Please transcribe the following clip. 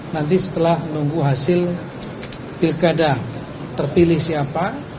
nanti setelah menunggu hasil pilkada terpilih siapa